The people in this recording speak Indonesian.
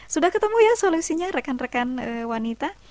sudah ketemu ya solusinya rekan rekan wanita